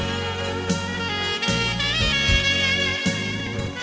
salib itu jadi cintaku